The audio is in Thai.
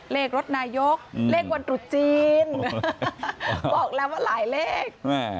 เลขรถนายกเลขวันตรุษจีนบอกแล้วว่าหลายเลข